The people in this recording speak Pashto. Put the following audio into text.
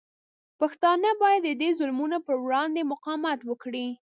پښتانه باید د دې ظلمونو پر وړاندې مقاومت وکړي.